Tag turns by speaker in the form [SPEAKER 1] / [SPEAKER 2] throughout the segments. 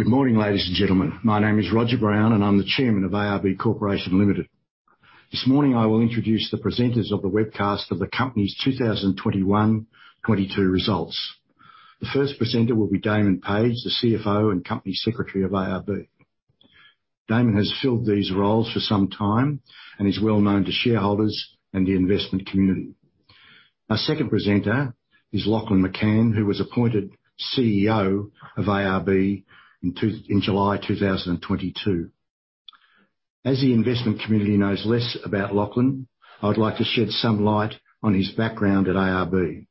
[SPEAKER 1] Good morning, ladies and gentlemen. My name is Roger Brown, and I'm the Chairman of ARB Corporation Limited. This morning, I will introduce the presenters of the Webcast of the Company's 2021-2022 Results. The first presenter will be Damon Page, the CFO and Company Secretary of ARB. Damon has filled these roles for some time and is well-known to shareholders and the investment community. Our second presenter is Lachlan McCann, who was appointed CEO of ARB in July 2022. As the investment community knows less about Lachlan, I would like to shed some light on his background at ARB.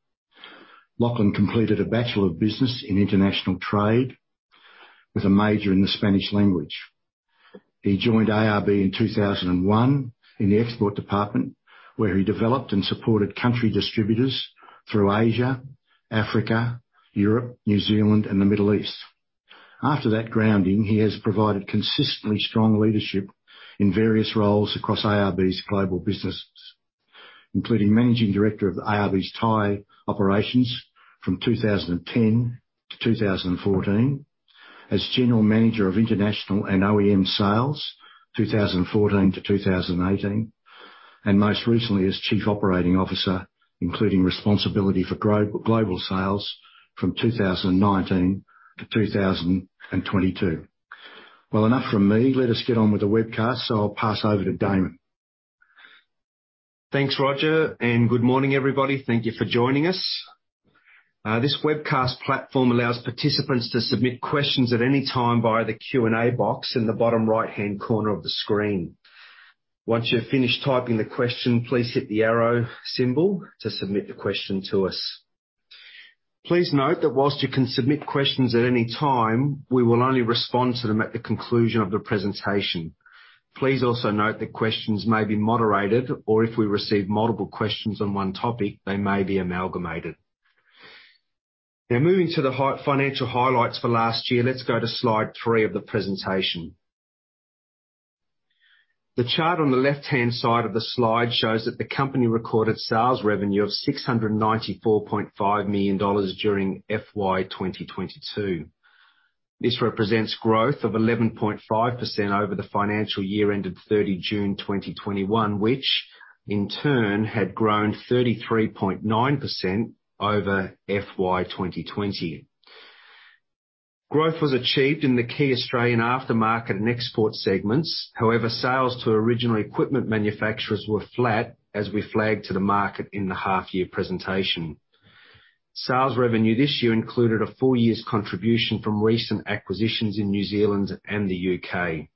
[SPEAKER 1] Lachlan completed a Bachelor of Business in International Trade with a Major in the Spanish Language. He joined ARB in 2001 in the export department, where he developed and supported country distributors through Asia, Africa, Europe, New Zealand and the Middle East. After that grounding, he has provided consistently strong leadership in various roles across ARB's global businesses, including Managing Director of ARB's Thai operations from 2010 to 2014. As General Manager of International and OEM Sales, 2014-2018, and most recently as Chief Operating Officer, including responsibility for global sales from 2019-2022. Well, enough from me. Let us get on with the webcast. I'll pass over to Damon.
[SPEAKER 2] Thanks, Roger, and good morning, everybody. Thank you for joining us. This Webcast platform allows participants to submit questions at any time via the Q&A box in the bottom right-hand corner of the screen. Once you've finished typing the question, please hit the arrow symbol to submit the question to us. Please note that while you can submit questions at any time, we will only respond to them at the conclusion of the presentation. Please also note that questions may be moderated or if we receive multiple questions on one topic, they may be amalgamated. Now, moving to the financial highlights for last year. Let's go to slide 3 of the presentation. The chart on the left-hand side of the slide shows that the company recorded sales revenue of 694.5 million dollars during FY 2022. This represents growth of 11.5% over the financial year ended 30 June 2021, which in turn had grown 33.9% over FY 2020. Growth was achieved in the key Australian aftermarket and export segments. However, sales to original equipment manufacturers were flat, as we flagged to the market in the half year presentation. Sales revenue this year included a full year's contribution from recent acquisitions in New Zealand and the UK.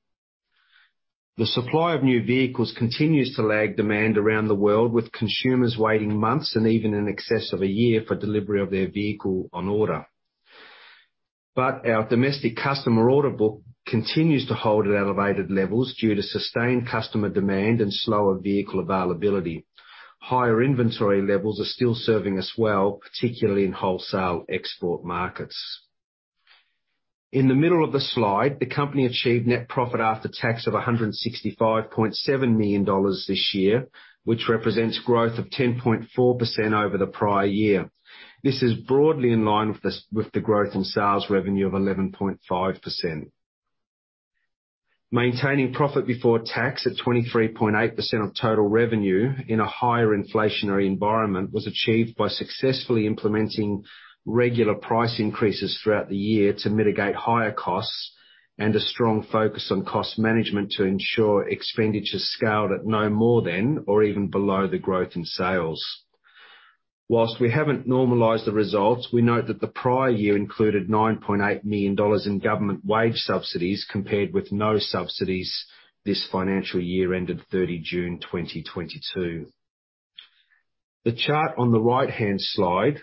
[SPEAKER 2] The supply of new vehicles continues to lag demand around the world, with consumers waiting months and even in excess of a year for delivery of their vehicle on order. Our domestic customer order book continues to hold at elevated levels due to sustained customer demand and slower vehicle availability. Higher inventory levels are still serving us well, particularly in wholesale export markets. In the middle of the slide, the company achieved net profit after tax of 165.7 million dollars this year, which represents growth of 10.4% over the prior year. This is broadly in line with the growth in sales revenue of 11.5%. Maintaining profit before tax at 23.8% of total revenue in a higher inflationary environment was achieved by successfully implementing regular price increases throughout the year to mitigate higher costs and a strong focus on cost management to ensure expenditures scaled at no more than or even below the growth in sales. While we haven't normalized the results, we note that the prior year included 9.8 million dollars in government wage subsidies, compared with no subsidies this financial year ended 30 June 2022. The chart on the right-hand slide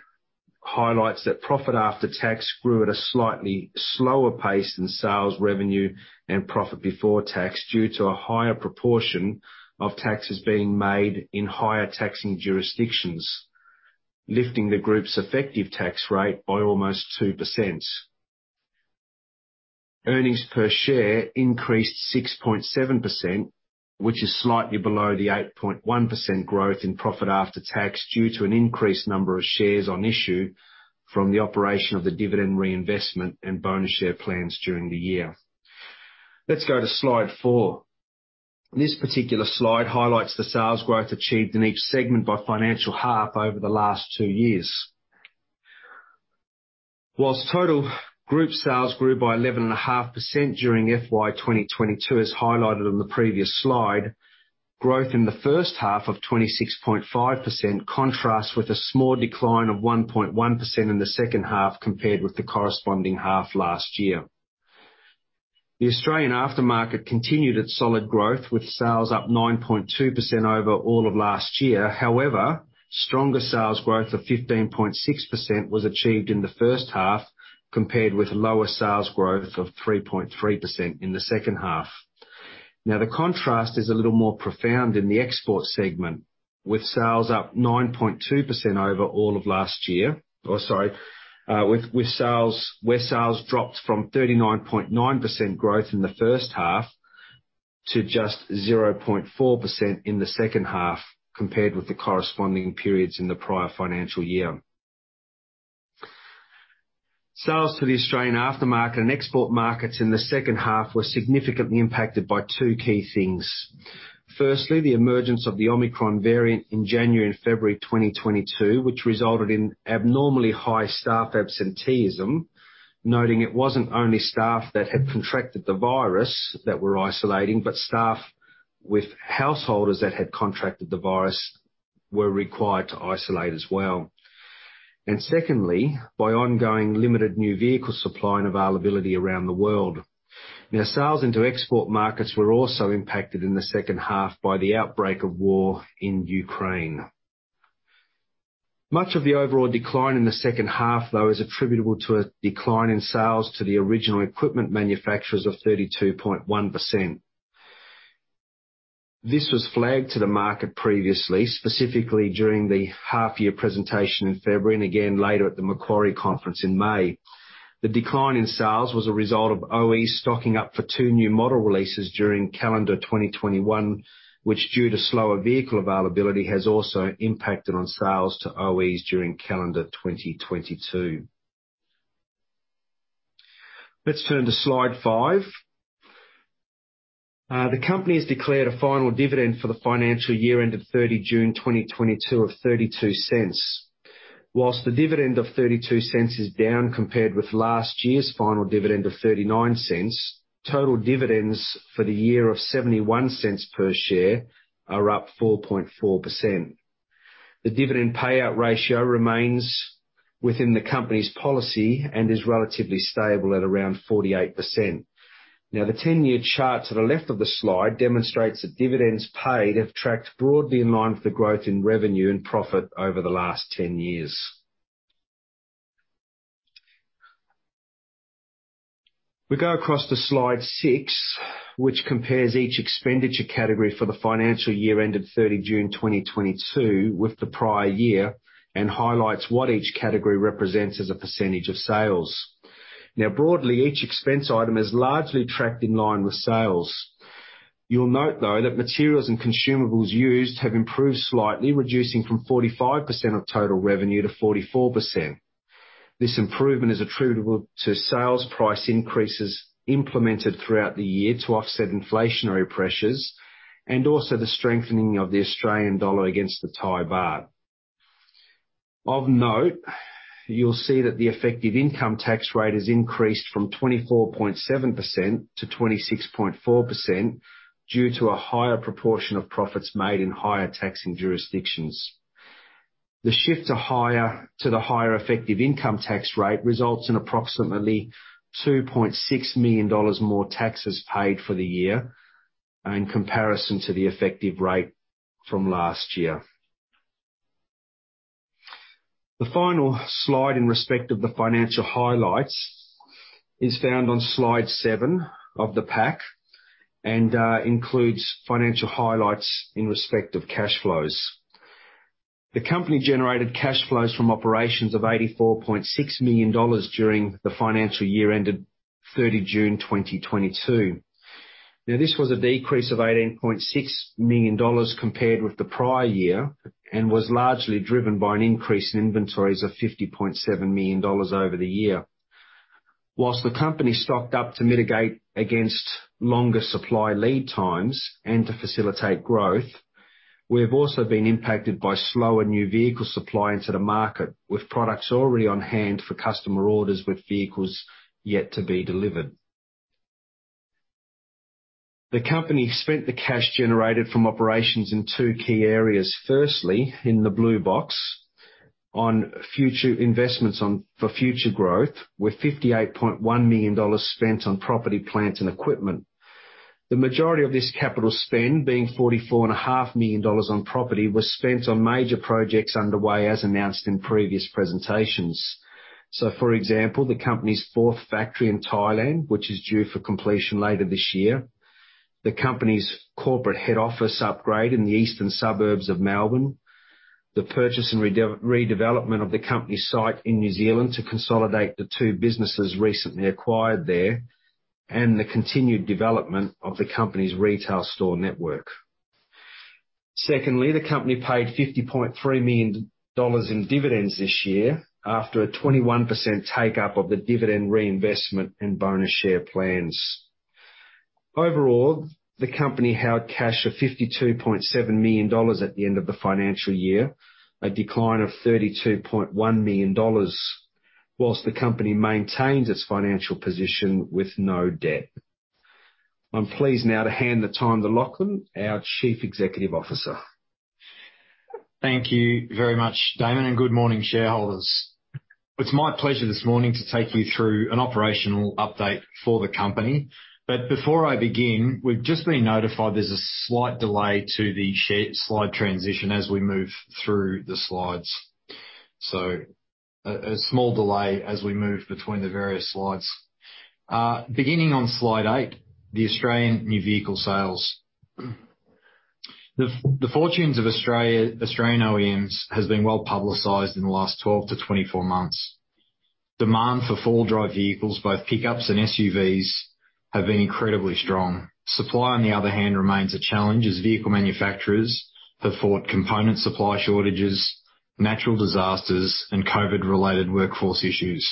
[SPEAKER 2] highlights that profit after tax grew at a slightly slower pace than sales revenue and profit before tax due to a higher proportion of taxes being made in higher taxing jurisdictions, lifting the group's effective tax rate by almost 2%. Earnings per share increased 6.7%, which is slightly below the 8.1% growth in profit after tax due to an increased number of shares on issue from the operation of the dividend reinvestment and bonus share plans during the year. Let's go to slide 4. This particular slide highlights the sales growth achieved in each segment by financial half over the last two years. While total group sales grew by 11.5% during FY 2022, as highlighted on the previous slide, growth in the first half of 26.5% contrasts with a small decline of 1.1% in the second half compared with the corresponding half last year. The Australian aftermarket continued its solid growth, with sales up 9.2% overall of last year. However, stronger sales growth of 15.6% was achieved in the first half, compared with lower sales growth of 3.3% in the second half. Now, the contrast is a little more profound in the export segment, with sales up 9.2% overall of last year. With sales where sales dropped from 39.9% growth in the first half to just 0.4% in the second half compared with the corresponding periods in the prior financial year. Sales to the Australian aftermarket and export markets in the second half were significantly impacted by two key things. Firstly, the emergence of the Omicron variant in January and February 2022, which resulted in abnormally high staff absenteeism. Noting it wasn't only staff that had contracted the virus that were isolating, but staff with householders that had contracted the virus were required to isolate as well. Secondly, by ongoing limited new vehicle supply and availability around the world. Now, sales into export markets were also impacted in the second half by the outbreak of war in Ukraine. Much of the overall decline in the second half, though, is attributable to a decline in sales to the original equipment manufacturers of 32.1%. This was flagged to the market previously, specifically during the half year presentation in February, and again later at the Macquarie Conference in May. The decline in sales was a result of OEs stocking up for two new model releases during calendar 2021, which, due to slower vehicle availability, has also impacted on sales to OEs during calendar 2022. Let's turn to slide 5. The company has declared a final dividend for the financial year end of 30 June 2022 of 0.32. While the dividend of 0.32 is down compared with last year's final dividend of 0.39, total dividends for the year of 0.71 per share are up 4.4%. The dividend payout ratio remains within the company's policy and is relatively stable at around 48%. Now, the 10-year chart to the left of the slide demonstrates that dividends paid have tracked broadly in line with the growth in revenue and profit over the last 10 years. We go across to slide 6, which compares each expenditure category for the financial year ended 30 June 2022 with the prior year, and highlights what each category represents as a percentage of sales. Now, broadly, each expense item is largely tracked in line with sales. You'll note, though, that materials and consumables used have improved slightly, reducing from 45% of total revenue to 44%. This improvement is attributable to sales price increases implemented throughout the year to offset inflationary pressures and also the strengthening of the Australian dollar against the Thai baht. Of note, you'll see that the effective income tax rate has increased from 24.7%-26.4% due to a higher proportion of profits made in higher taxing jurisdictions. The shift to the higher effective income tax rate results in approximately 2.6 million dollars more taxes paid for the year in comparison to the effective rate from last year. The final slide in respect of the financial highlights is found on slide 7 of the pack and includes financial highlights in respect of cash flows. The Company Generated Cash Flows from operations of 84.6 million dollars during the financial year ended 30 June 2022. Now, this was a decrease of 18.6 million dollars compared with the prior year and was largely driven by an increase in inventories of 50.7 million dollars over the year. While the company stocked up to mitigate against longer supply lead times and to facilitate growth, we have also been impacted by slower new vehicle supply into the market, with products already on hand for customer orders, with vehicles yet to be delivered. The company spent the cash generated from operations in two key areas. Firstly, in the blue box on future investments for future growth, with 58.1 million dollars spent on property, plant and equipment. The majority of this capital spend, being 44.5 million dollars on property, was spent on major projects underway, as announced in previous presentations. For example, the company's fourth factory in Thailand, which is due for completion later this year, the company's corporate head office upgrade in the eastern suburbs of Melbourne, the purchase and redevelopment of the company's site in New Zealand to consolidate the two businesses recently acquired there, and the continued development of the company's retail store network. Secondly, the company paid 50.3 million dollars in dividends this year after a 21% take up of the dividend reinvestment and bonus share plans. Overall, the company held cash of 52.7 million dollars at the end of the financial year, a decline of 32.1 million dollars, while the company maintains its financial position with no debt. I'm pleased now to hand over to Lachlan, our Chief Executive Officer.
[SPEAKER 3] Thank you very much, Damon, and good morning, shareholders. It's my pleasure this morning to take you through an operational update for the company. Before I begin, we've just been notified there's a slight delay to the slide transition as we move through the slides. Small delay as we move between the various slides. Beginning on slide eight, the Australian new vehicle sales, the fortunes of Australian OEMs has been well publicized in the last 12-24 months. Demand for four-wheel-drive vehicles, both pickups and SUVs, have been incredibly strong. Supply, on the other hand, remains a challenge as vehicle manufacturers have fought component supply shortages, natural disasters, and COVID-related workforce issues.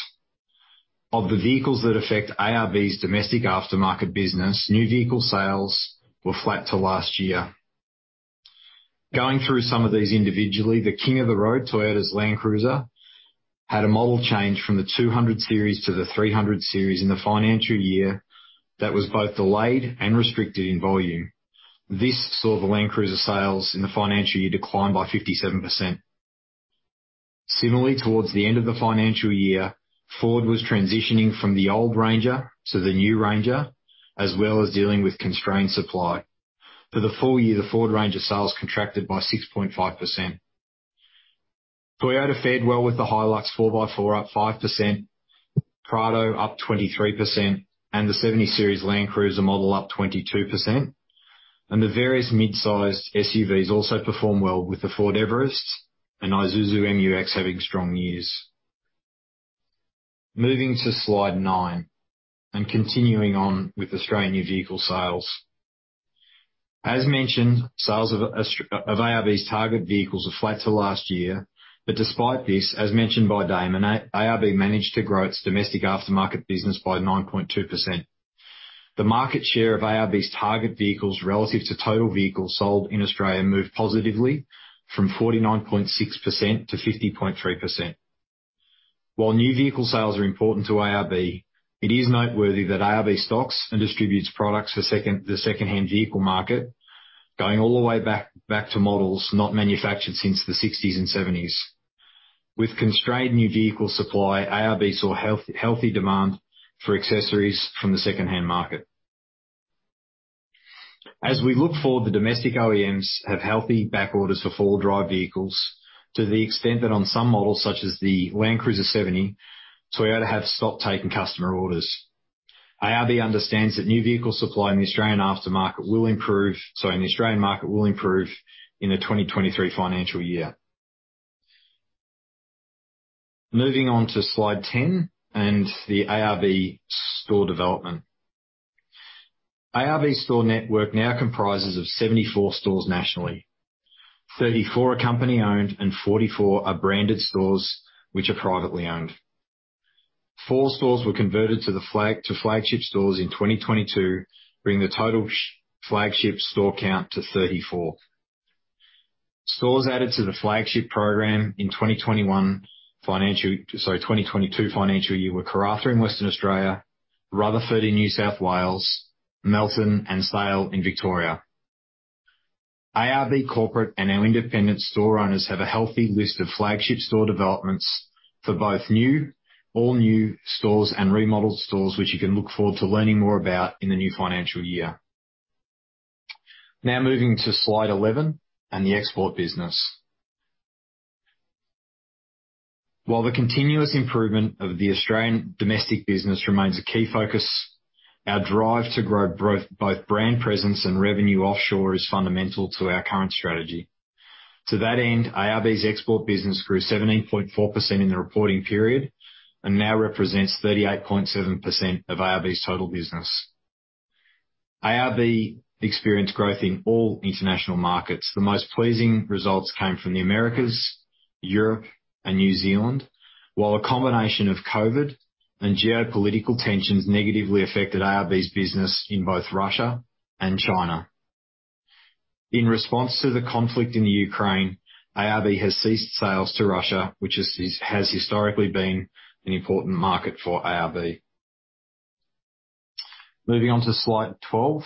[SPEAKER 3] Of the vehicles that affect ARB's domestic aftermarket business, new vehicle sales were flat to last year. Going through some of these individually, the king of the road, Toyota's Land Cruiser, had a model change from the 200 series to the 300 series in the financial year that was both delayed and restricted in volume. This saw the Land Cruiser sales in the financial year decline by 57%. Similarly, towards the end of the financial year, Ford was transitioning from the old Ranger to the new Ranger, as well as dealing with constrained supply. For the full year, the Ford Ranger sales contracted by 6.5%. Toyota fared well with the Hilux 4x4 up 5%, Prado up 23%, and the 70 Series Land Cruiser model up 22%. The various mid-sized SUVs also performed well, with the Ford Everest and Isuzu MU-X having strong years. Moving to slide 9 and continuing on with Australian new vehicle sales. As mentioned, sales of ARB's target vehicles are flat to last year. Despite this, as mentioned by Damon, ARB managed to grow its domestic aftermarket business by 9.2%. The market share of ARB's target vehicles relative to total vehicles sold in Australia moved positively from 49.6% to 50.3%. While new vehicle sales are important to ARB, it is noteworthy that ARB stocks and distributes products for the secondhand vehicle market, going all the way back to models not manufactured since the sixties and seventies. With constrained new vehicle supply, ARB saw healthy demand for accessories from the secondhand market. As we look forward, the domestic OEMs have healthy back orders for four-wheel-drive vehicles to the extent that on some models, such as the Land Cruiser 70, Toyota have stopped taking customer orders. ARB understands that new vehicle supply in the Australian market will improve in the 2023 financial year. Moving on to slide 10 and the ARB store development. ARB store network now comprises of 74 stores nationally. 34 are company-owned and 44 are branded stores which are privately owned. Four stores were converted to flagship stores in 2022, bringing the total flagship store count to 34. Stores added to the flagship program in the 2022 financial year were Karratha in Western Australia, Rutherford in New South Wales, Melton and Sale in Victoria. ARB corporate and our independent store owners have a healthy list of flagship store developments for both all new stores and remodeled stores, which you can look forward to learning more about in the new financial year. Now moving to slide 11 and the export business. While the continuous improvement of the Australian domestic business remains a key focus, our drive to grow both brand presence and revenue offshore is fundamental to our current strategy. To that end, ARB's export business grew 17.4% in the reporting period and now represents 38.7% of ARB's total business. ARB experienced growth in all international markets. The most pleasing results came from the Americas, Europe, and New Zealand. While a combination of COVID and geopolitical tensions negatively affected ARB's business in both Russia and China. In response to the conflict in the Ukraine, ARB has ceased sales to Russia, which has historically been an important market for ARB. Moving on to slide 12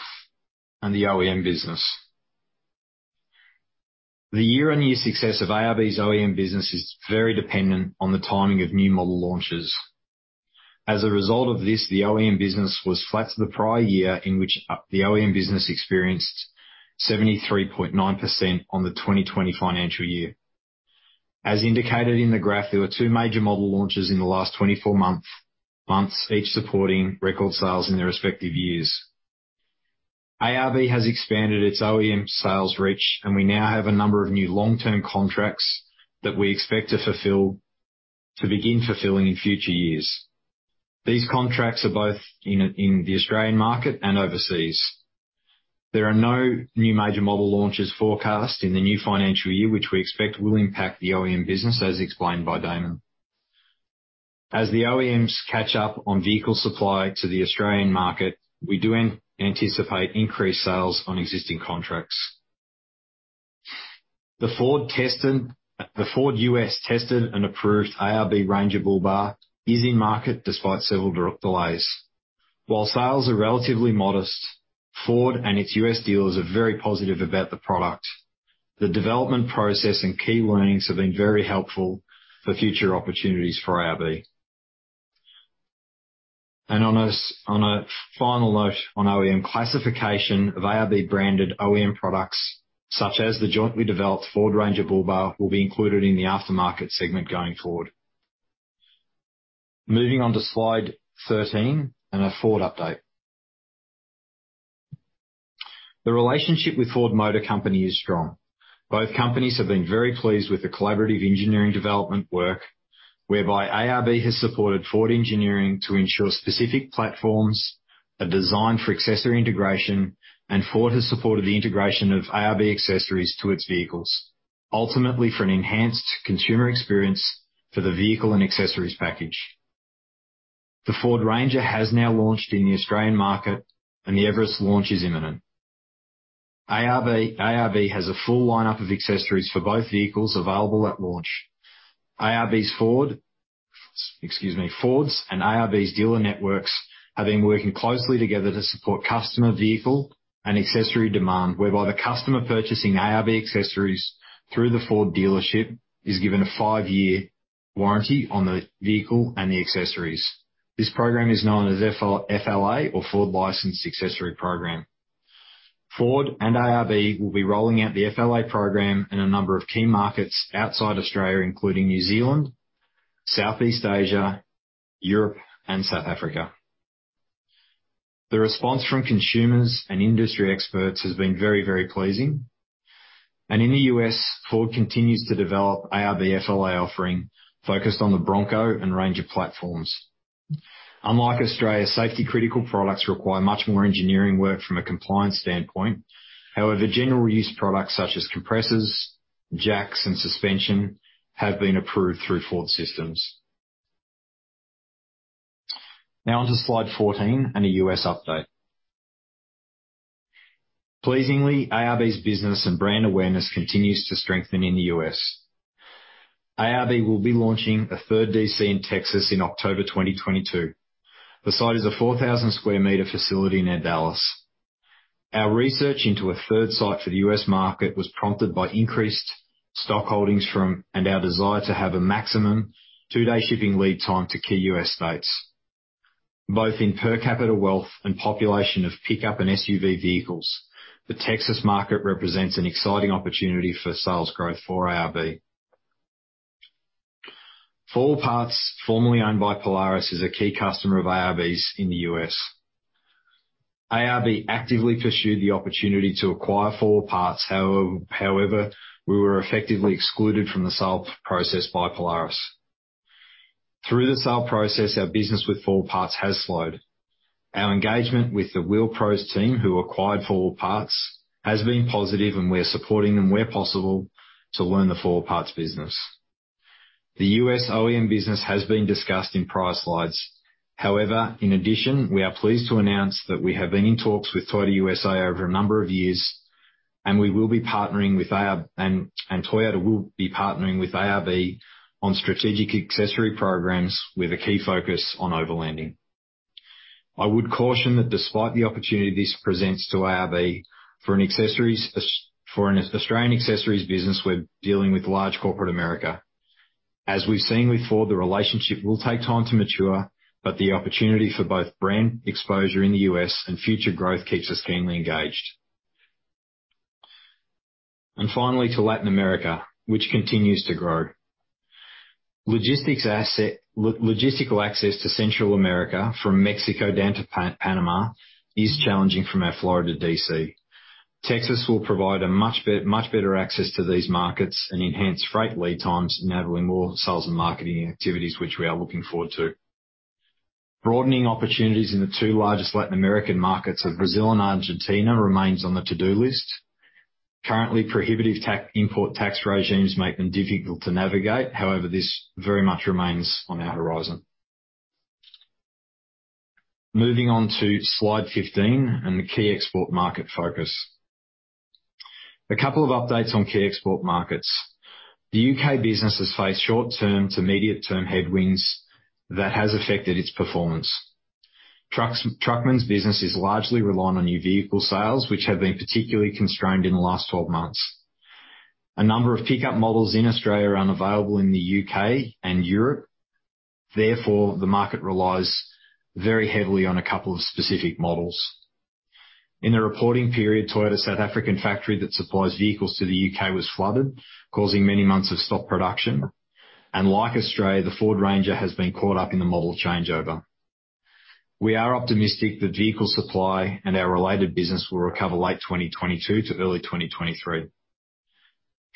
[SPEAKER 3] and the OEM business. The year-on-year success of ARB's OEM business is very dependent on the timing of new model launches. As a result of this, the OEM business was flat to the prior year in which the OEM business experienced 73.9% in the 2020 financial year. As indicated in the graph, there were two major model launches in the last 24 months, each supporting record sales in their respective years. ARB has expanded its OEM sales reach, and we now have a number of new long-term contracts that we expect to begin fulfilling in future years. These contracts are both in the Australian market and overseas. There are no new major model launches forecast in the new financial year, which we expect will impact the OEM business, as explained by Damon. As the OEMs catch up on vehicle supply to the Australian market, we anticipate increased sales on existing contracts. The Ford US tested and approved ARB Ranger Bull Bar is in market despite several delays. While sales are relatively modest, Ford and its US dealers are very positive about the product. The development process and key learnings have been very helpful for future opportunities for ARB. On a final note on OEM classification of ARB-branded OEM products, such as the jointly developed Ford Ranger Bull Bar, will be included in the aftermarket segment going forward. Moving on to slide 13 and our Ford update. The relationship with Ford Motor Company is strong. Both companies have been very pleased with the collaborative engineering development work, whereby ARB has supported Ford engineering to ensure specific platforms are designed for accessory integration, and Ford has supported the integration of ARB accessories to its vehicles, ultimately for an enhanced consumer experience for the vehicle and accessories package. The Ford Ranger has now launched in the Australian market and the Everest launch is imminent. ARB has a full lineup of accessories for both vehicles available at launch. Ford's and ARB's dealer networks have been working closely together to support customer vehicle and accessory demand, whereby the customer purchasing ARB accessories through the Ford dealership is given a five-year warranty on the vehicle and the accessories. This program is known as FLA or Ford Licensed Accessory program. Ford and ARB will be rolling out the FLA program in a number of key markets outside Australia, including New Zealand, Southeast Asia, Europe and South Africa. The response from consumers and industry experts has been very, very pleasing. In the U.S., Ford continues to develop ARB FLA offering focused on the Bronco and Ranger platforms. Unlike Australia, safety-critical products require much more engineering work from a compliance standpoint. However, general-use products such as compressors, jacks, and suspension have been approved through Ford systems. Now on to slide 14 and a U.S. update. Pleasingly, ARB's business and brand awareness continues to strengthen in the U.S. ARB will be launching a third DC in Texas in October 2022. The site is a 4,000 square meter facility near Dallas. Our research into a third site for the U.S. market was prompted by increased stock holdings and our desire to have a maximum two-day shipping lead time to key U.S. states, both in per capita wealth and population of pickup and SUV vehicles. The Texas market represents an exciting opportunity for sales growth for ARB. 4 Wheel Parts, formerly owned by Polaris, is a key customer of ARB's in the U.S. ARB actively pursued the opportunity to acquire 4 Wheel Parts, however, we were effectively excluded from the sale process by Polaris. Through the sale process, our business with 4 Wheel Parts has slowed. Our engagement with the Wheel Pros team who acquired 4 Wheel Parts has been positive, and we're supporting them where possible to learn the 4 Wheel Parts business. The U.S. OEM business has been discussed in prior slides. However, in addition, we are pleased to announce that we have been in talks with Toyota USA over a number of years, and we will be partnering with ARB, and Toyota will be partnering with ARB on strategic accessory programs with a key focus on overlanding. I would caution that despite the opportunity this presents to ARB for an accessories for an Australian accessories business, we're dealing with large corporate America. As we've seen with Ford, the relationship will take time to mature, but the opportunity for both brand exposure in the U.S. and future growth keeps us keenly engaged. Finally to Latin America, which continues to grow. Logistical access to Central America from Mexico down to Panama is challenging from our Florida DC. Texas will provide much better access to these markets and enhance freight lead times, enabling more sales and marketing activities, which we are looking forward to. Broadening opportunities in the two largest Latin American markets of Brazil and Argentina remains on the to-do list. Currently prohibitive import tax regimes make them difficult to navigate. However, this very much remains on our horizon. Moving on to slide 15 and the key export market focus. A couple of updates on key export markets. The U.K. business has faced short term to immediate term headwinds that has affected its performance. Truckman's business is largely reliant on new vehicle sales, which have been particularly constrained in the last 12 months. A number of pickup models in Australia are unavailable in the U.K. and Europe. Therefore, the market relies very heavily on a couple of specific models. In the reporting period, Toyota's South African factory that supplies vehicles to the UK was flooded, causing many months of stopped production. Like Australia, the Ford Ranger has been caught up in the model changeover. We are optimistic that vehicle supply and our related business will recover late 2022 to early 2023.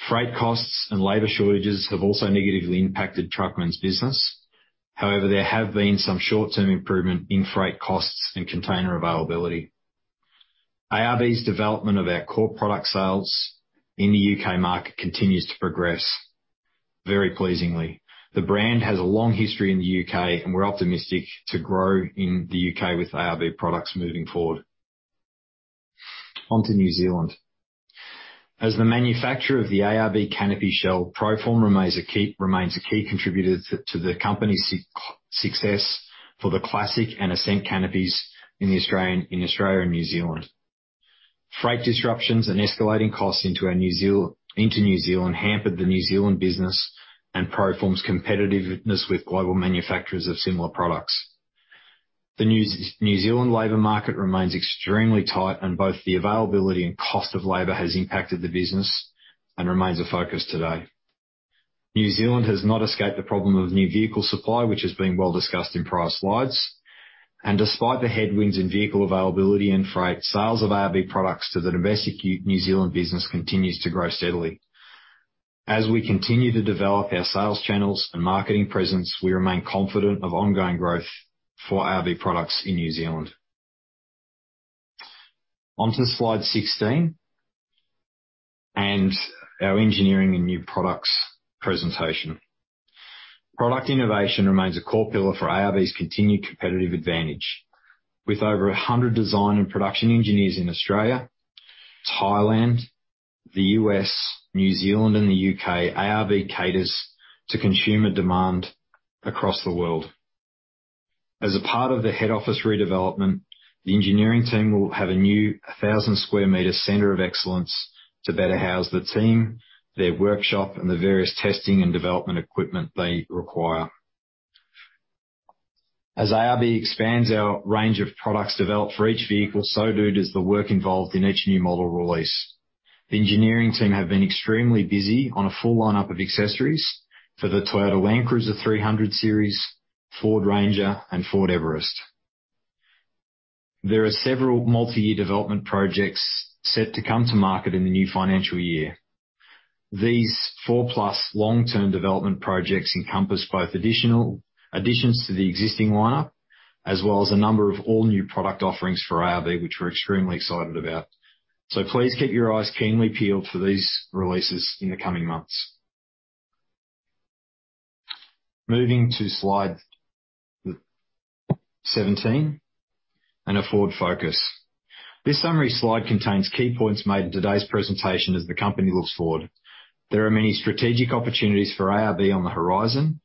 [SPEAKER 3] Freight costs and labor shortages have also negatively impacted Truckman's business. However, there have been some short-term improvement in freight costs and container availability. ARB's development of our core product sales in the UK market continues to progress very pleasingly. The brand has a long history in the UK, and we're optimistic to grow in the UK with ARB products moving forward. On to New Zealand. As the manufacturer of the ARB canopy shell, PRO-FORM remains a key contributor to the company's success for the Classic and Ascent canopies in Australia and New Zealand. Freight disruptions and escalating costs into New Zealand hampered the New Zealand business and PRO-FORM's competitiveness with global manufacturers of similar products. The New Zealand labor market remains extremely tight, and both the availability and cost of labor has impacted the business and remains a focus today. New Zealand has not escaped the problem of new vehicle supply, which has been well discussed in prior slides. Despite the headwinds in vehicle availability and freight, sales of ARB products to the domestic New Zealand business continues to grow steadily. As we continue to develop our sales channels and marketing presence, we remain confident of ongoing growth for ARB products in New Zealand. On to slide 16 and our engineering and new products presentation. Product innovation remains a core pillar for ARB's continued competitive advantage. With over 100 design and production engineers in Australia, Thailand, the U.S., New Zealand, and the U.K., ARB caters to consumer demand across the world. As a part of the head office redevelopment, the engineering team will have a new 1,000 square meter center of excellence to better house the team, their workshop, and the various testing and development equipment they require. As ARB expands our range of products developed for each vehicle, so too does the work involved in each new model release. The engineering team have been extremely busy on a full lineup of accessories for the Toyota Land Cruiser 300 Series, Ford Ranger, and Ford Everest. There are several multi-year development projects set to come to market in the new financial year. These 4+ long-term development projects encompass both additions to the existing lineup, as well as a number of all-new product offerings for ARB, which we're extremely excited about. Please keep your eyes keenly peeled for these releases in the coming months. Moving to slide 17 and a forward focus. This summary slide contains key points made in today's presentation as the company looks forward. There are many strategic opportunities for ARB on the horizon,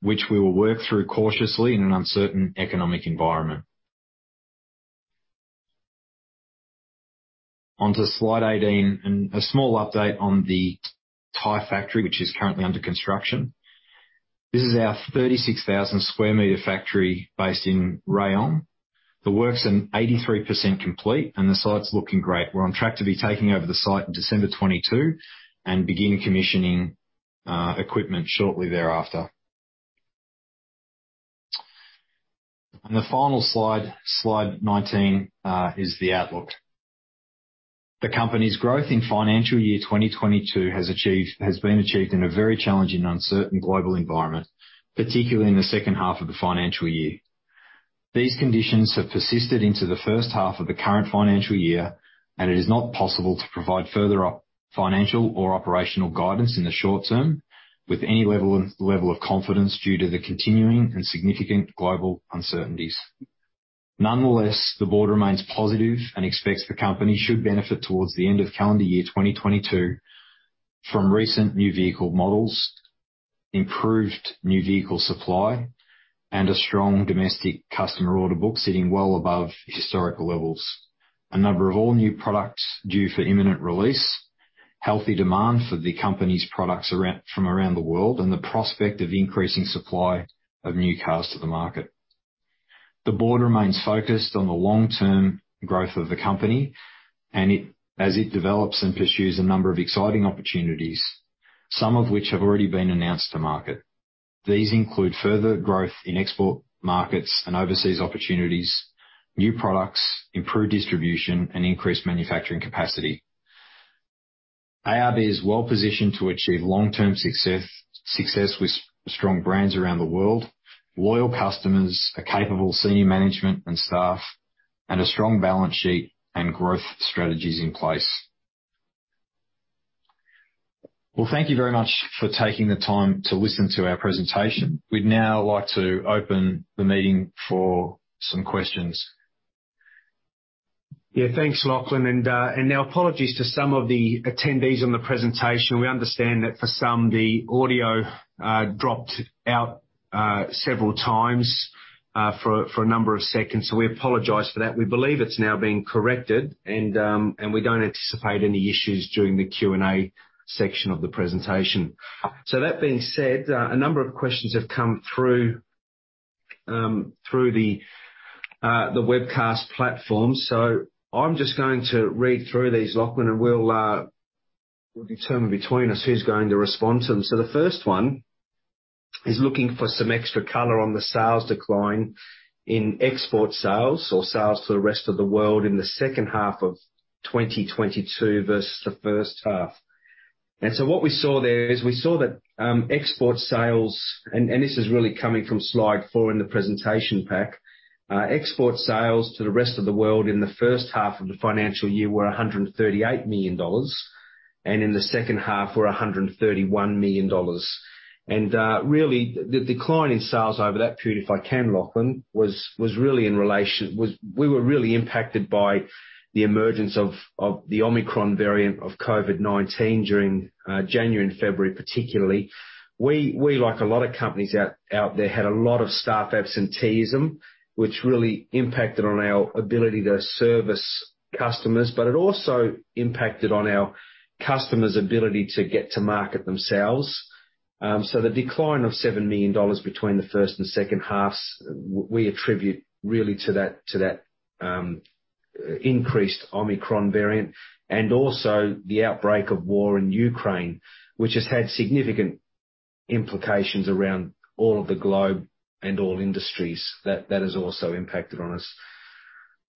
[SPEAKER 3] which we will work through cautiously in an uncertain economic environment. On to slide 18, and a small update on the Thai factory, which is currently under construction. This is our 36,000 square meter factory based in Rayong. The works are 83% complete, and the site's looking great. We're on track to be taking over the site in December 2022 and begin commissioning equipment shortly thereafter. The final slide 19, is the outlook. The company's growth in financial year 2022 has been achieved in a very challenging, uncertain global environment, particularly in the second half of the financial year. These conditions have persisted into the first half of the current financial year, and it is not possible to provide further financial or operational guidance in the short term with any level of confidence due to the continuing and significant global uncertainties. Nonetheless, the board remains positive and expects the company should benefit towards the end of calendar year 2022 from recent new vehicle models, improved new vehicle supply, and a strong domestic customer order book sitting well above historical levels. A number of all new products due for imminent release, healthy demand for the company's products from around the world, and the prospect of increasing supply of new cars to the market. The board remains focused on the long-term growth of the company as it develops and pursues a number of exciting opportunities, some of which have already been announced to market. These include further growth in export markets and overseas opportunities, new products, improved distribution, and increased manufacturing capacity. ARB is well positioned to achieve long-term success with strong brands around the world, loyal customers, a capable senior management and staff, and a strong balance sheet and growth strategies in place. Well, thank you very much for taking the time to listen to our presentation. We'd now like to open the meeting for some questions.
[SPEAKER 2] Yeah, thanks, Lachlan. Our apologies to some of the attendees on the presentation. We understand that for some, the audio dropped out several times for a number of seconds. We apologize for that. We believe it's now been corrected and we don't anticipate any issues during the Q&A section of the presentation. That being said, a number of questions have come through through the webcast platform. I'm just going to read through these, Lachlan, and we'll determine between us who's going to respond to them. The first one is looking for some extra color on the sales decline in export sales or sales to the rest of the world in the second half of 2022 versus the first half. What we saw there is we saw that export sales, and this is really coming from slide four in the presentation pack. Export sales to the rest of the world in the first half of the financial year were 138 million dollars, and in the second half were 131 million dollars. Really the decline in sales over that period, if I can, Lachlan. We were really impacted by the emergence of the Omicron variant of COVID-19 during January and February particularly. We like a lot of companies out there had a lot of staff absenteeism, which really impacted on our ability to service customers, but it also impacted on our customers' ability to get to market themselves. The decline of 7 million dollars between the first and second halves, we attribute really to that, increased Omicron variant and also the outbreak of war in Ukraine, which has had significant implications around all of the globe and all industries. That has also impacted on us.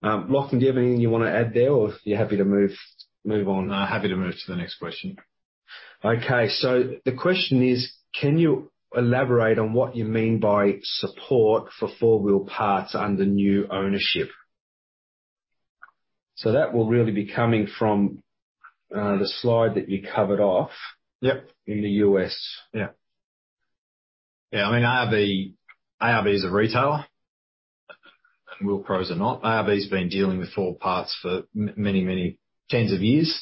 [SPEAKER 2] Lachlan, do you have anything you want to add there or you're happy to move on?
[SPEAKER 3] No. Happy to move to the next question.
[SPEAKER 2] Okay. The question is, can you elaborate on what you mean by support for 4 Wheel Parts under new ownership? That will really be coming from the slide that you covered off.
[SPEAKER 3] Yep
[SPEAKER 2] in the U.S.
[SPEAKER 3] Yeah, I mean, ARB is a retailer, and Wheel Pros are not. ARB's been dealing with 4 Wheel Parts for many tens of years.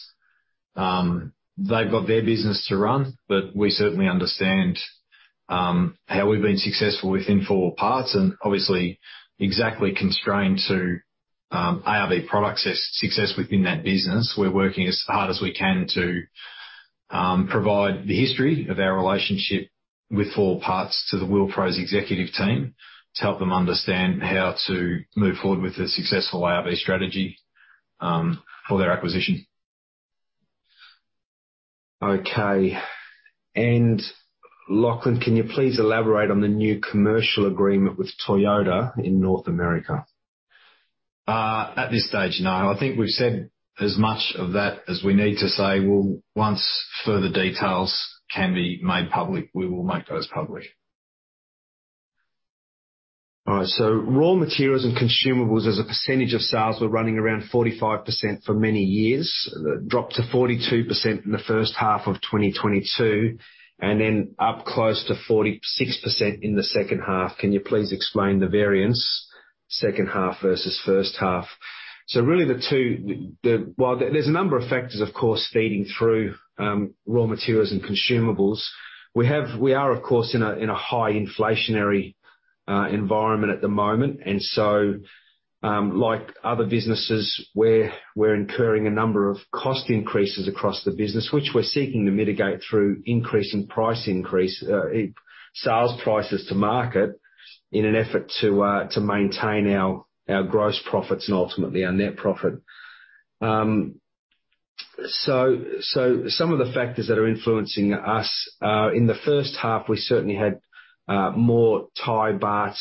[SPEAKER 3] They've got their business to run, but we certainly understand how we've been successful within 4 Wheel Parts and obviously exactly constrained to ARB product success within that business. We're working as hard as we can to provide the history of our relationship with 4 Wheel Parts to the Wheel Pros executive team to help them understand how to move forward with a successful ARB strategy for their acquisition.
[SPEAKER 2] Okay. Lachlan, can you please elaborate on the new commercial agreement with Toyota in North America?
[SPEAKER 3] At this stage, no. I think we've said as much of that as we need to say. Once further details can be made public, we will make those public.
[SPEAKER 2] All right. Raw materials and consumables as a percentage of sales were running around 45% for many years. That dropped to 42% in the first half of 2022 and then up close to 46% in the second half. Can you please explain the variance, second half versus first half? Well, there's a number of factors, of course, feeding through raw materials and consumables. We are, of course, in a high inflationary environment at the moment. Like other businesses, we're incurring a number of cost increases across the business, which we're seeking to mitigate through increasing price increase sales prices to market in an effort to maintain our gross profits and ultimately our net profit. Some of the factors that are influencing us. In the first half, we certainly had more Thai baht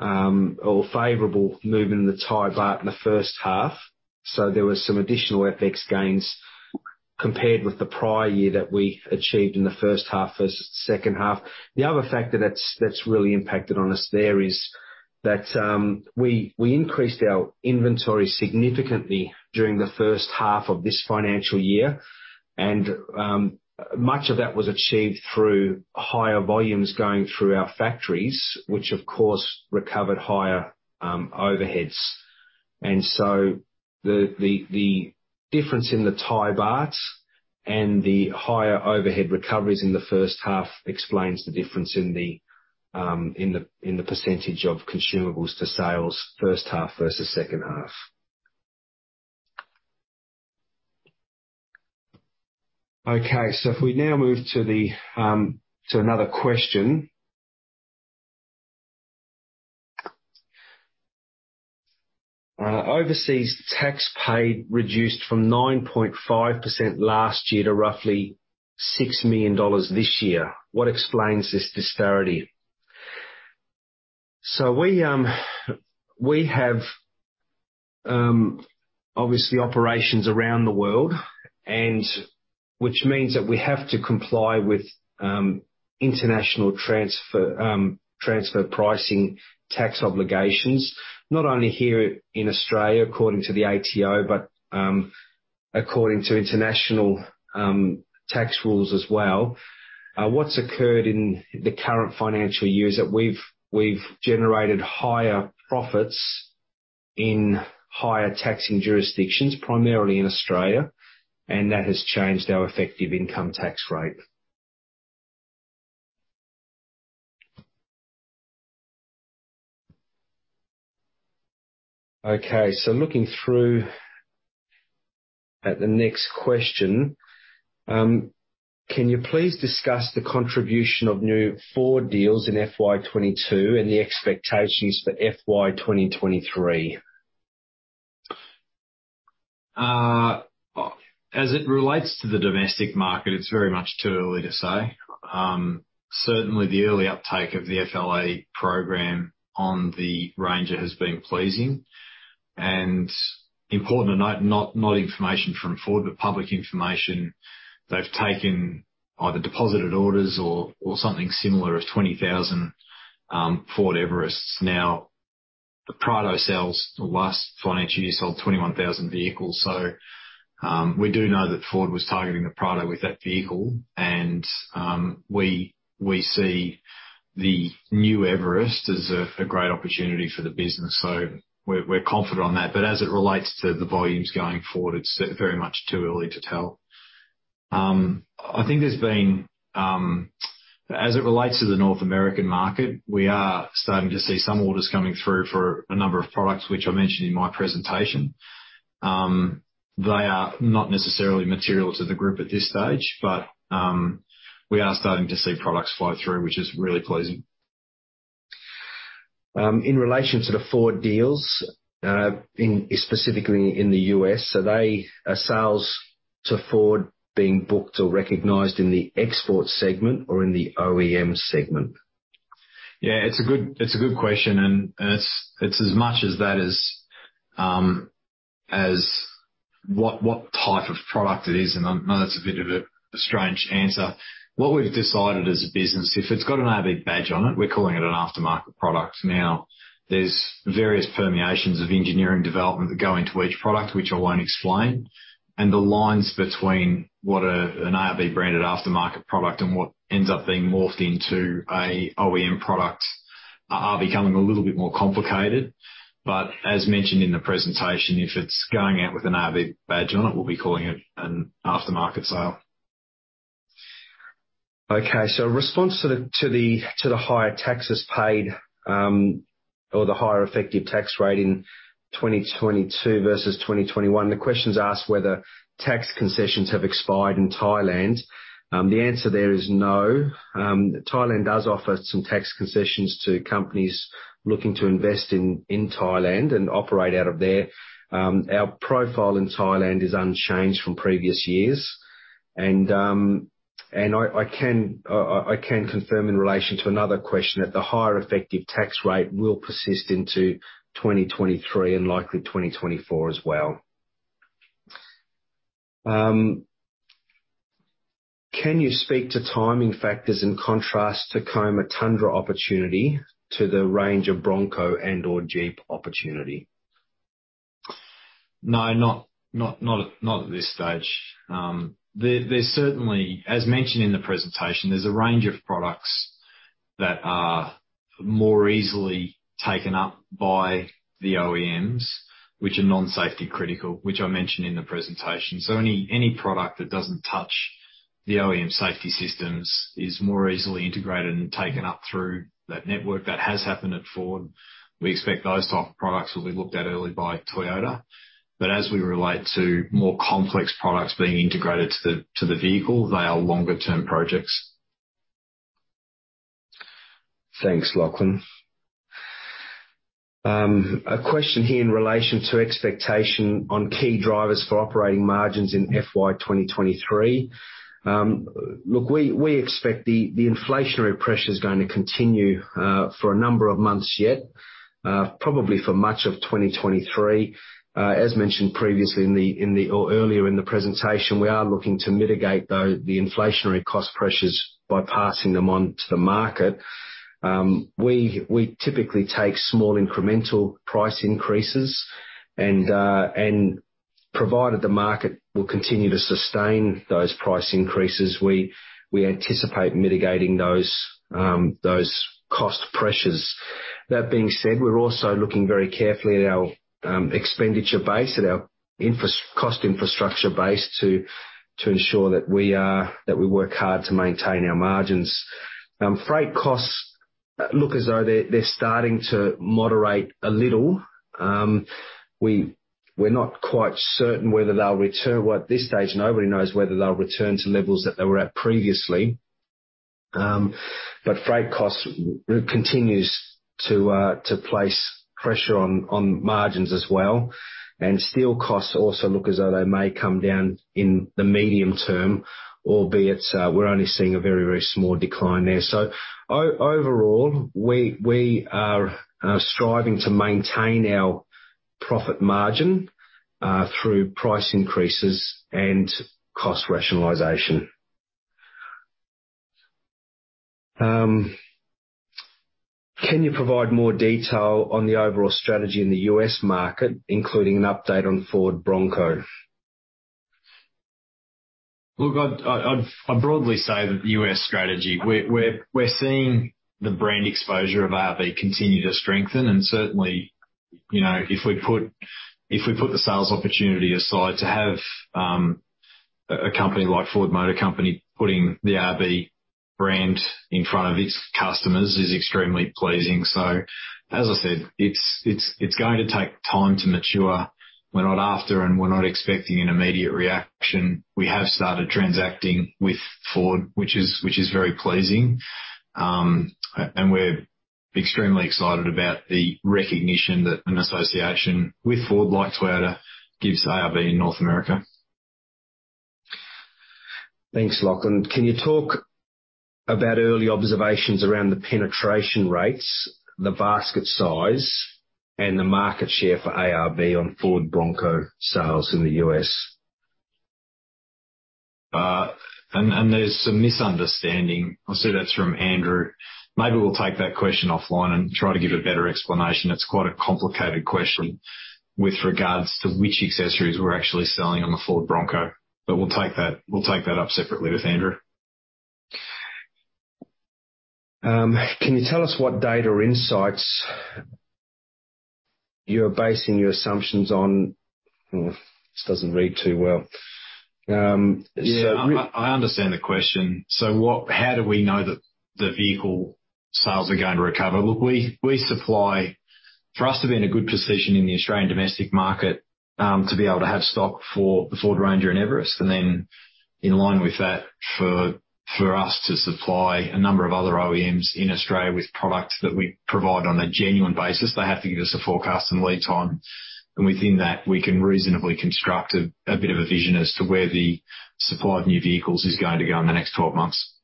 [SPEAKER 2] or favorable movement in the Thai baht in the first half. There was some additional FX gains compared with the prior year that we achieved in the first half versus second half. The other factor that's really impacted on us there is that we increased our inventory significantly during the first half of this financial year. Much of that was achieved through higher volumes going through our factories, which of course recovered higher overheads. The difference in the Thai baht and the higher overhead recoveries in the first half explains the difference in the percentage of consumables to sales first half versus second half. Okay. If we now move to another question. Overseas tax paid reduced from 9.5% last year to roughly 6 million dollars this year. What explains this disparity? We have obviously operations around the world and which means that we have to comply with international transfer pricing tax obligations, not only here in Australia according to the ATO, but according to international tax rules as well. What's occurred in the current financial year is that we've generated higher profits in higher taxing jurisdictions, primarily in Australia, and that has changed our effective income tax rate. Okay. Looking through at the next question, can you please discuss the contribution of new Ford deals in FY 2022 and the expectations for FY 2023?
[SPEAKER 3] As it relates to the domestic market, it's very much too early to say. Certainly the early uptake of the FLA program on the Ranger has been pleasing. Important to note, not information from Ford, but public information, they've taken either deposited orders or something similar of 20,000 Ford Everests. Now, the Prado sales last financial year sold 21,000 vehicles. We do know that Ford was targeting the Prado with that vehicle and we see the new Everest as a great opportunity for the business, so we're confident on that. As it relates to the volumes going forward, it's very much too early to tell. As it relates to the North American market, we are starting to see some orders coming through for a number of products which I mentioned in my presentation. They are not necessarily material to the group at this stage, but we are starting to see products flow through, which is really pleasing.
[SPEAKER 2] In relation to the Ford deals, specifically in the U.S., are sales to Ford being booked or recognized in the export segment or in the OEM segment?
[SPEAKER 3] Yeah, it's a good question, and it's as much as that is, as what type of product it is, and I know that's a bit of a strange answer. What we've decided as a business, if it's got an ARB badge on it, we're calling it an aftermarket product. Now, there's various permutations of engineering development that go into each product, which I won't explain. The lines between what an ARB branded aftermarket product and what ends up being morphed into an OEM product are becoming a little bit more complicated. As mentioned in the presentation, if it's going out with an ARB badge on it, we'll be calling it an aftermarket sale.
[SPEAKER 2] Okay. In response to the higher taxes paid, or the higher effective tax rate in 2022 versus 2021. The question is asked whether tax concessions have expired in Thailand. The answer there is no. Thailand does offer some tax concessions to companies looking to invest in Thailand and operate out of there. Our profile in Thailand is unchanged from previous years. I can confirm in relation to another question that the higher effective tax rate will persist into 2023 and likely 2024 as well. Can you speak to timing factors in contrast Tacoma Tundra opportunity to the Ranger Bronco and/or Jeep opportunity?
[SPEAKER 3] No, not at this stage. There's certainly, as mentioned in the presentation, a range of products that are more easily taken up by the OEMs, which are non-safety critical, which I mentioned in the presentation. Any product that doesn't touch the OEM safety systems is more easily integrated and taken up through that network. That has happened at Ford. We expect those type of products will be looked at early by Toyota. As we relate to more complex products being integrated to the vehicle, they are longer-term projects.
[SPEAKER 2] Thanks, Lachlan. A question here in relation to expectation on key drivers for operating margins in FY 2023. Look, we expect the inflationary pressure is going to continue for a number of months yet, probably for much of 2023. As mentioned previously or earlier in the presentation, we are looking to mitigate the inflationary cost pressures by passing them on to the market. We typically take small incremental price increases, and provided the market will continue to sustain those price increases, we anticipate mitigating those cost pressures. That being said, we're also looking very carefully at our expenditure base, at our cost infrastructure base to ensure that we work hard to maintain our. Freight costs look as though they're starting to moderate a little. We're not quite certain whether they'll return. Well, at this stage, nobody knows whether they'll return to levels that they were at previously. Freight costs continues to place pressure on margins as well. Steel costs also look as though they may come down in the medium term, albeit, we're only seeing a very small decline there. Overall, we are striving to maintain our profit margin through price increases and cost rationalization. Can you provide more detail on the overall strategy in the U.S. market, including an update on Ford Bronco?
[SPEAKER 3] Look, I'd broadly say that the U.S. strategy, we're seeing the brand exposure of ARB continue to strengthen. Certainly, you know, if we put the sales opportunity aside, to have a company like Ford Motor Company putting the ARB brand in front of its customers is extremely pleasing. As I said, it's going to take time to mature. We're not after, and we're not expecting an immediate reaction. We have started transacting with Ford, which is very pleasing. And we're extremely excited about the recognition that an association with Ford like Toyota gives ARB in North America.
[SPEAKER 2] Thanks, Lachlan. Can you talk about early observations around the penetration rates, the basket size, and the market share for ARB on Ford Bronco sales in the U.S.?
[SPEAKER 3] There's some misunderstanding. I see that's from Andrew. Maybe we'll take that question offline and try to give a better explanation. It's quite a complicated question with regards to which accessories we're actually selling on the Ford Bronco, but we'll take that up separately with Andrew.
[SPEAKER 2] Can you tell us what data insights you're basing your assumptions on? This doesn't read too well.
[SPEAKER 3] I understand the question. How do we know that the vehicle sales are going to recover? We supply. For us to be in a good position in the Australian domestic market, to be able to have stock for the Ford Ranger and Everest, and then in line with that, for us to supply a number of other OEMs in Australia with products that we provide on a genuine basis, they have to give us a forecast and lead time. Within that, we can reasonably construct a bit of a vision as to where the supply of new vehicles is going to go in the next 12 months.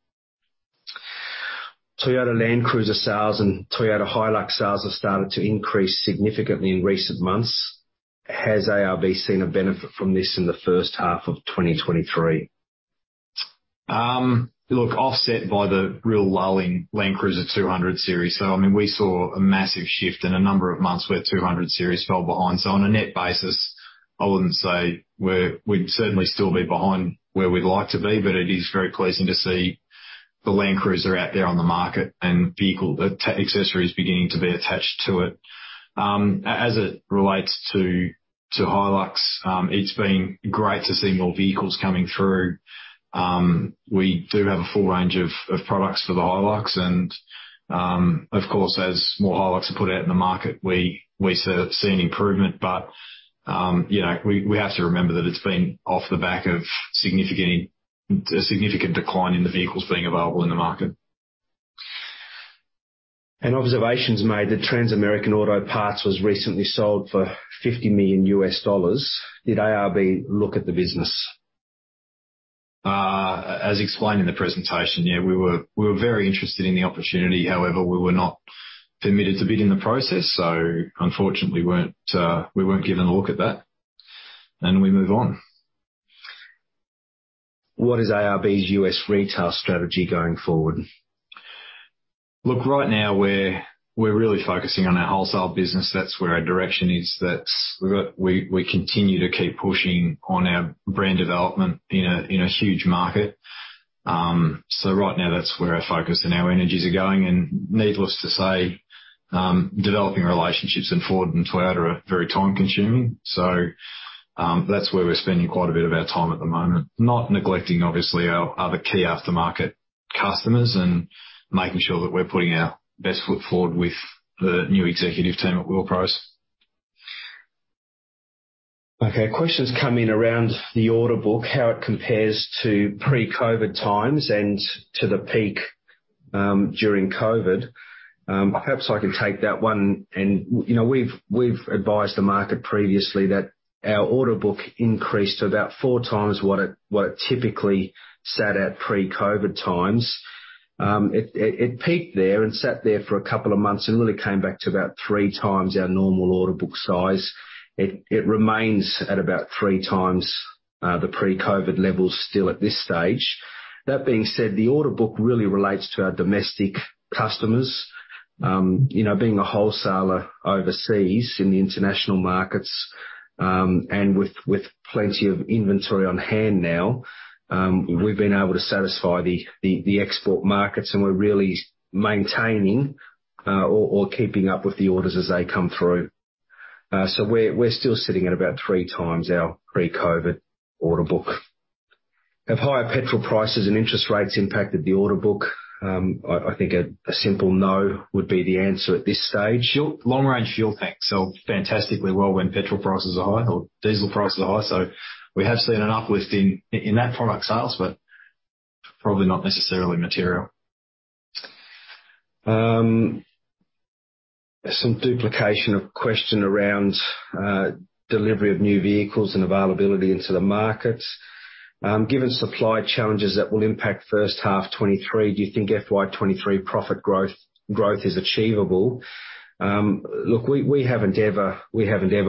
[SPEAKER 2] Toyota Land Cruiser sales and Toyota Hilux sales have started to increase significantly in recent months. Has ARB seen a benefit from this in the first half of 2023?
[SPEAKER 3] Look, offset by the real lull in Land Cruiser 200 Series. I mean, we saw a massive shift in a number of months where 200 Series fell behind. On a net basis, I wouldn't say we'd certainly still be behind where we'd like to be, but it is very pleasing to see the Land Cruiser out there on the market and vehicle accessories beginning to be attached to it. As it relates to Hilux, it's been great to see more vehicles coming through. We do have a full range of products for the Hilux and, of course, as more Hilux are put out in the market, we sort of see an improvement. you know, we have to remember that it's been off the back of a significant decline in the vehicles being available in the market.
[SPEAKER 2] An observation's made that Transamerican Auto Parts was recently sold for $50 million. Did ARB look at the business?
[SPEAKER 3] As explained in the presentation, yeah, we were very interested in the opportunity. However, we were not permitted to bid in the process, so unfortunately we weren't given a look at that. We move on.
[SPEAKER 2] What is ARB's US retail strategy going forward?
[SPEAKER 3] Look, right now we're really focusing on our wholesale business. That's where our direction is. That's where we continue to keep pushing on our brand development in a huge market. Right now that's where our focus and our energies are going. Needless to say, developing relationships in Ford and Toyota are very time-consuming. That's where we're spending quite a bit of our time at the moment. Not neglecting, obviously, our other key aftermarket customers and making sure that we're putting our best foot forward with the new executive team at Wheel Pros.
[SPEAKER 2] Okay, questions come in around the order book, how it compares to pre-COVID times and to the peak during COVID. Perhaps I can take that one. You know, we've advised the market previously that our order book increased to about four times what it typically sat at pre-COVID times. It peaked there and sat there for a couple of months and really came back to about three times our normal order book size. It remains at about three times the pre-COVID levels still at this stage. That being said, the order book really relates to our domestic customers. You know, being a wholesaler overseas in the international markets, and with plenty of inventory on hand now, we've been able to satisfy the export markets, and we're really maintaining, or keeping up with the orders as they come through. We're still sitting at about three times our pre-COVID order book. Have higher petrol prices and interest rates impacted the order book? I think a simple no would be the answer at this stage.
[SPEAKER 3] Long-range fuel tanks sell fantastically well when petrol prices are high or diesel prices are high, so we have seen an uplift in that product sales, but probably not necessarily material.
[SPEAKER 2] Some duplication of question around delivery of new vehicles and availability into the markets. Given supply challenges that will impact first half 2023, do you think FY 2023 profit growth is achievable? Look, we haven't ever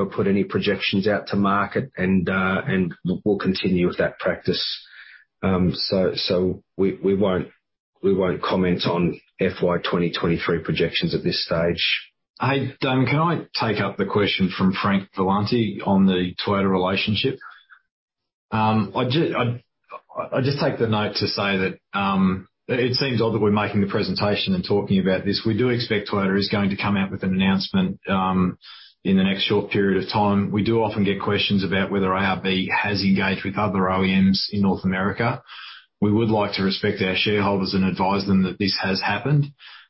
[SPEAKER 2] put any projections out to market and we'll continue with that practice. We won't comment on FY 2023 projections at this stage.
[SPEAKER 3] Hey, Damon, can I take up the question from Frank Galanti on the Toyota relationship? I just take the note to say that it seems odd that we're making the presentation and talking about this. We do expect Toyota is going to come out with an announcement in the next short period of time. We do often get questions about whether ARB has engaged with other OEMs in North America. We would like to respect our shareholders and advise them that this has happened,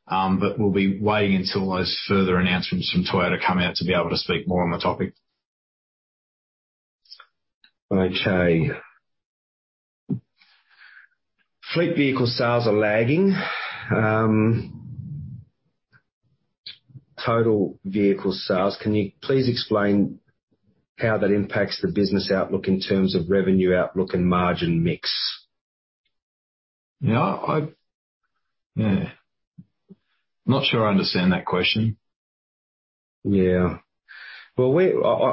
[SPEAKER 3] but we'll be waiting until those further announcements from Toyota come out to be able to speak more on the topic.
[SPEAKER 2] Okay. Fleet vehicle sales are lagging. Total vehicle sales. Can you please explain how that impacts the business outlook in terms of revenue outlook and margin mix?
[SPEAKER 3] Yeah. Not sure I understand that question.
[SPEAKER 2] Yeah. Well,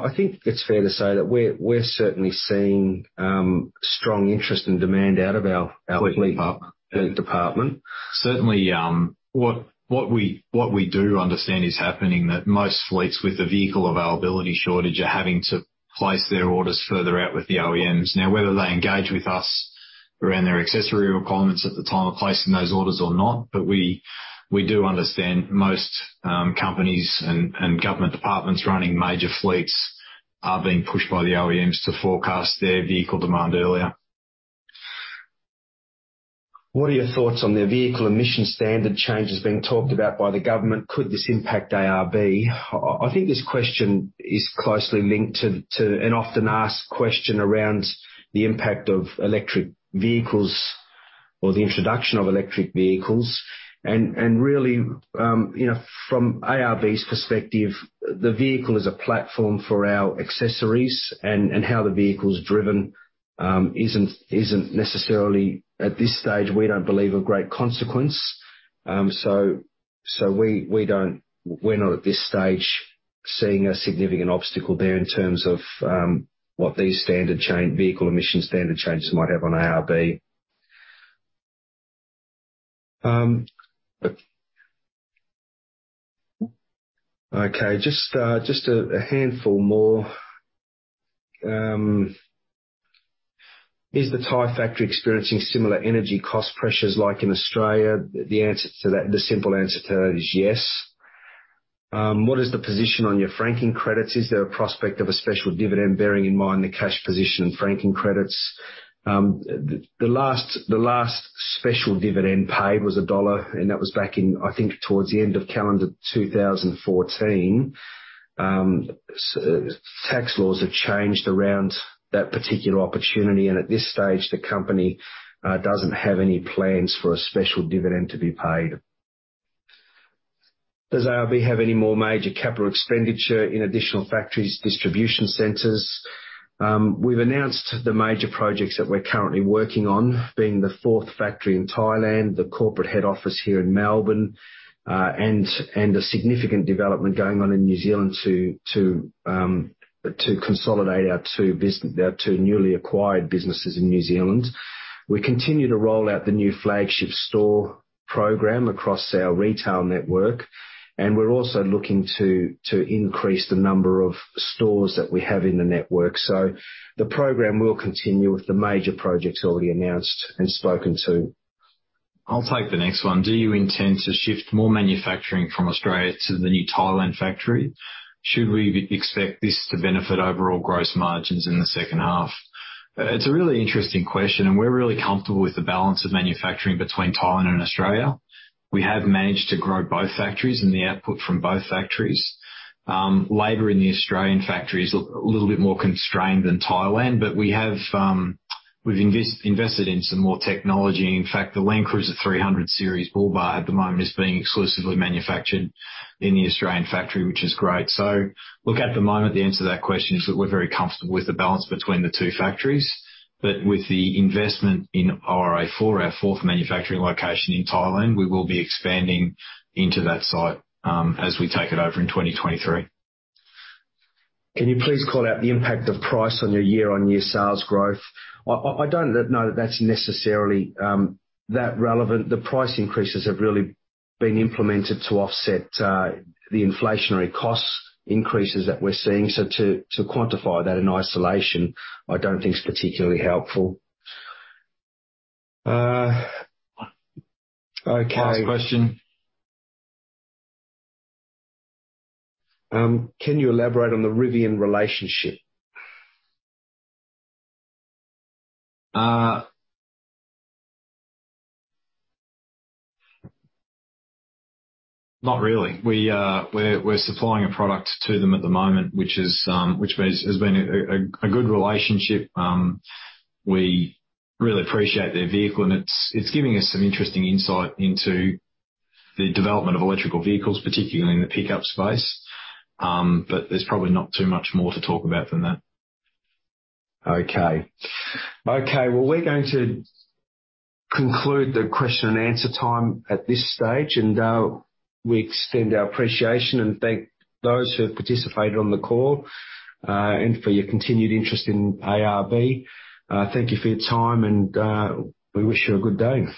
[SPEAKER 2] I think it's fair to say that we're certainly seeing strong interest and demand out of our fleet.
[SPEAKER 3] Fleet park.
[SPEAKER 2] -department.
[SPEAKER 3] Certainly, what we do understand is happening, that most fleets with the vehicle availability shortage are having to place their orders further out with the OEMs. Now, whether they engage with us around their accessory requirements at the time of placing those orders or not, but we do understand most companies and government departments running major fleets are being pushed by the OEMs to forecast their vehicle demand earlier.
[SPEAKER 2] What are your thoughts on the vehicle emissions standard changes being talked about by the government? Could this impact ARB? I think this question is closely linked to an often asked question around the impact of electric vehicles or the introduction of electric vehicles. Really, you know, from ARB's perspective, the vehicle is a platform for our accessories and how the vehicle's driven isn't necessarily, at this stage, we don't believe a great consequence. We're not at this stage seeing a significant obstacle there in terms of what these vehicle emission standard changes might have on ARB. Okay, just a handful more. Is the Thai factory experiencing similar energy cost pressures like in Australia? The simple answer to that is yes. What is the position on your franking credits? Is there a prospect of a special dividend bearing in mind the cash position and franking credits? The last special dividend paid was a dollar, and that was back in, I think, towards the end of calendar 2014. Tax laws have changed around that particular opportunity, and at this stage, the company doesn't have any plans for a special dividend to be paid. Does ARB have any more major capital expenditure in additional factories, distribution centers? We've announced the major projects that we're currently working on, being the fourth factory in Thailand, the corporate head office here in Melbourne, and a significant development going on in New Zealand to consolidate our two newly acquired businesses in New Zealand. We continue to roll out the new flagship store program across our retail network, and we're also looking to increase the number of stores that we have in the network. The program will continue with the major projects already announced and spoken to.
[SPEAKER 3] I'll take the next one. Do you intend to shift more manufacturing from Australia to the new Thailand factory? Should we expect this to benefit overall gross margins in the second half? It's a really interesting question, and we're really comfortable with the balance of manufacturing between Thailand and Australia. We have managed to grow both factories and the output from both factories. Labor in the Australian factory is a little bit more constrained than Thailand, but we've invested in some more technology. In fact, the Land Cruiser 300 Series bull bar at the moment is being exclusively manufactured in the Australian factory, which is great. Look, at the moment, the answer to that question is that we're very comfortable with the balance between the two factories. With the investment in RA4, our fourth manufacturing location in Thailand, we will be expanding into that site, as we take it over in 2023.
[SPEAKER 2] Can you please call out the impact of price on your year-on-year sales growth? I don't know that that's necessarily that relevant. The price increases have really been implemented to offset the inflationary costs increases that we're seeing. To quantify that in isolation, I don't think is particularly helpful. Okay.
[SPEAKER 3] Last question.
[SPEAKER 2] Can you elaborate on the Rivian relationship?
[SPEAKER 3] Not really. We're supplying a product to them at the moment, which has been a good relationship. We really appreciate their vehicle, and it's giving us some interesting insight into the development of electric vehicles, particularly in the pickup space. There's probably not too much more to talk about than that.
[SPEAKER 2] Okay, well, we're going to conclude the question and answer time at this stage, and we extend our appreciation and thank those who have participated on the call, and for your continued interest in ARB. Thank you for your time, and we wish you a good day.